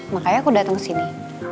makanya aku dateng kesini